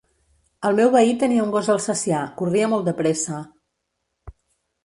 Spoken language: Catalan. El meu veí tenia un gos Alsacià, corria molt de pressa.